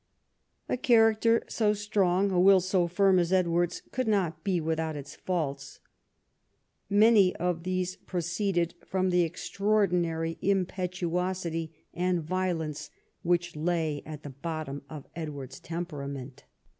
A character so strong, a will so firm as Edward's could not be without its faults. Many of these pro ceeded from the extraordinary impetuosity and violence which lay at the bottom of Edward's temperament.